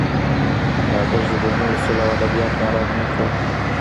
هغه ژبني اصول او ادبیات مراعت نه کړل